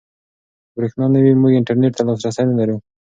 که برېښنا نه وي موږ انټرنيټ ته لاسرسی نلرو.